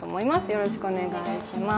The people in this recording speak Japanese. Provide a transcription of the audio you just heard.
よろしくお願いします。